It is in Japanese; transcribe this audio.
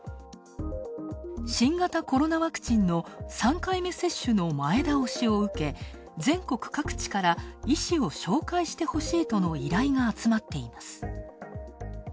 新型コロナワクチンの３回目接種の前倒しを受け、全国各地から医師を紹介してほしいとの依頼が集まっています。